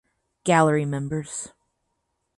Gallery members.